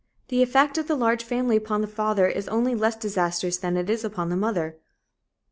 The effect of the large family upon the father is only less disastrous than it is upon the mother.